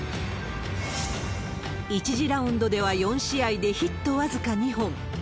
１次ラウンドでは４試合でヒット僅か２本。